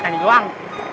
nah ini doang